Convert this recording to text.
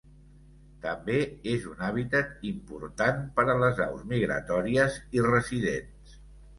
També és un hàbitat important per a les aus migratòries i residents.